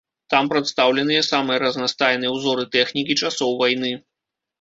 Там прадстаўленыя самыя разнастайныя ўзоры тэхнікі часоў вайны.